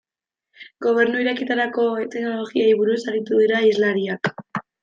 Gobernu Irekietarako teknologiei buruz aritu dira hizlariak.